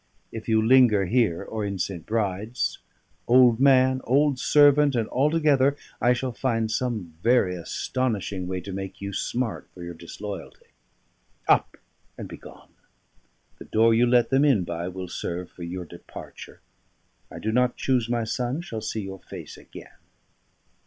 If you linger here or in St. Bride's old man, old servant, and altogether I shall find some very astonishing way to make you smart for your disloyalty. Up and begone. The door you let them in by will serve for your departure. I do not choose my son shall see your face again."